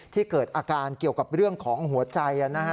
เกิดอาการเกี่ยวกับเรื่องของหัวใจ